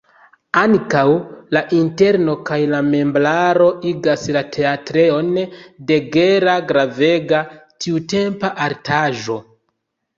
Ankaŭ la interno kaj la meblaro igas la teatrejon de Gera gravega tiutempa artaĵo.